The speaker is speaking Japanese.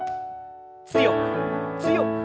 強く強く。